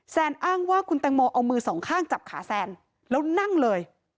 อ้างว่าคุณแตงโมเอามือสองข้างจับขาแซนแล้วนั่งเลย